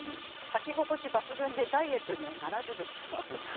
履き心地抜群でダイエットにはならずでした。